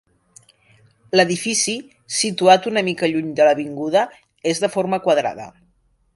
L'edifici, situat una mica lluny de l'avinguda, és de forma quadrada.